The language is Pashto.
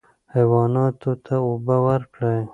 حیواناتو ته اوبه ورکړئ.